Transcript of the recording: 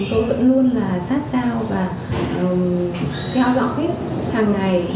tôi vẫn luôn là sát sao và theo dõi hàng ngày